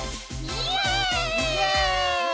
イエイ！